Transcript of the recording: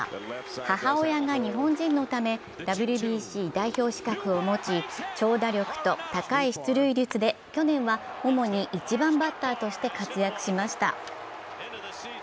母親が日本人のためＷＢＣ代表資格を持ち、長打力と高い出塁率で去年は主に１番バッターとして活躍しました。